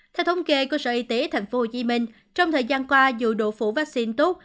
theo thống kê của sở y tế thành phố hồ chí minh trong thời gian qua dù độ phủ vaccine tốt